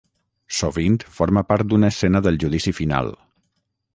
Sovint forma part d'una escena del Judici Final.